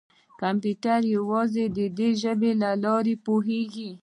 کمپیوټر یوازې د دې ژبې له لارې پوهېږي.